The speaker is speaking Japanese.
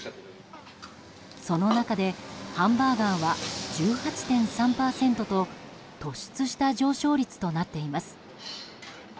その中でハンバーガーは１８．３％と突出した上昇率となっています。